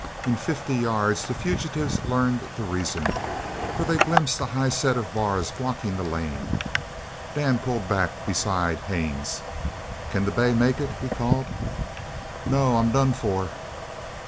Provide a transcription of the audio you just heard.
In fifty yards the fugitives learned the reason, for they glimpsed a high set of bars blocking the lane. Dan pulled back beside Haines. "Can the bay make it?" he called. "No. I'm done for."